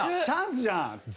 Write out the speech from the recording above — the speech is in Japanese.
チャンスじゃん！